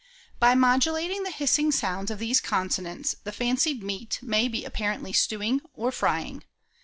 By modulating the hissing sounds of these consonants the fancied meat may be apparently stewing or frying.